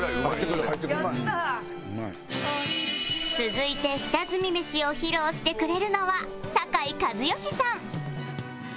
続いて下積みメシを披露してくれるのは酒井一圭さん